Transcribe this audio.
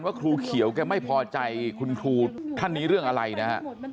ครูเขียวแกไม่พอใจคุณครูท่านนี้เรื่องอะไรนะฮะ